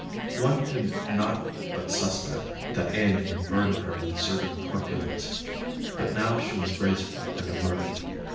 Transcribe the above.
One could not but suspect that age would burden her with a certain corpulence, but now she was graceful and alert.